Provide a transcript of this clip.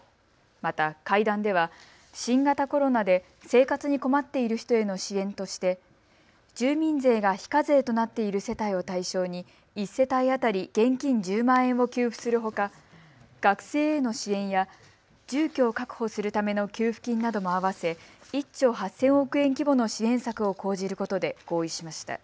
また会談では新型コロナで生活に困っている人への支援として住民税が非課税となっている世帯を対象に１世帯当たり現金１０万円を給付するほか学生への支援や住居を確保するための給付金なども合わせ１兆８０００億円規模の支援策を講じることで合意しました。